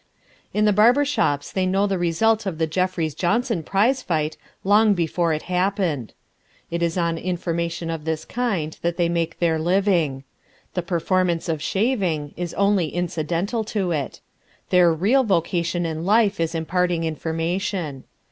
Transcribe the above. In the barber shops they knew the result of the Jeffries Johnson prize fight long before it happened. It is on information of this kind that they make their living. The performance of shaving is only incidental to it. Their real vocation in life is imparting information.